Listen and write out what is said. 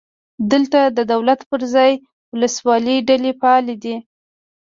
دلته د دولت پر ځای وسله والې ډلې فعالې دي.